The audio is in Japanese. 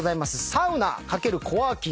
サウナ×コワーキング